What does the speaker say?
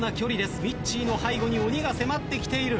みっちーの背後に鬼が迫ってきている。